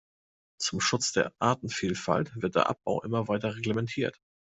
Zum Schutz der Artenvielfalt wird der Abbau immer weiter reglementiert.